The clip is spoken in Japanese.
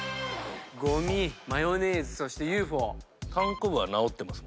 ゴミマヨネーズそしてＵＦＯ。